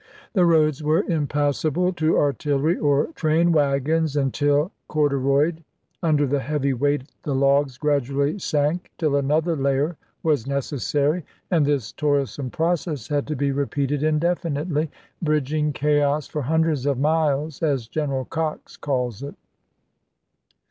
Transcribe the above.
The roads were chap, xil impassable to artillery or train wagons until cordu royed ; under the heavy weight the logs gradually sank till another layer was necessary, and this toil some process had to be repeated indefinitely, Cox, "bridging chaos for hundreds of miles," as Gen MwShto eral Cox calls it.